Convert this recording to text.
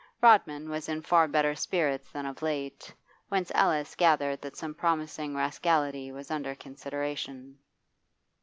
Rodman was in far better spirits than of late, whence Alice gathered that some promising rascality was under consideration.